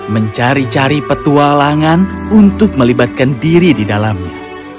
mencari cari petualangan untuk melibatkan diri di dalamnya